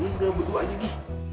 ini udah berdua aja nih